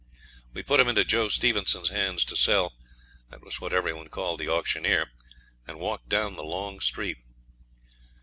We put 'em into Joe Stevenson's hands to sell that was what every one called the auctioneer and walked down the long street.